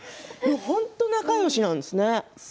本当に仲よしなんですね。